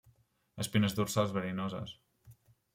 Espines dorsals verinoses.